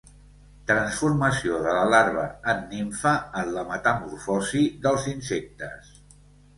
Transformació de la larva en nimfa en la metamorfosi dels insectes.